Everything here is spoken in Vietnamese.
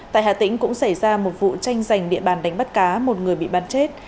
tại hà tĩnh cũng xảy ra một vụ tranh giành địa bàn đánh bắt cá một người bị bắn chết